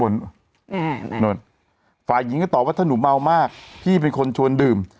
นั่นฝ่ายหญิงก็ตอบว่าถ้าหนูเมามากพี่เป็นคนชวนดื่ม